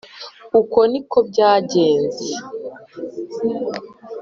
Uko ni ko byagenze.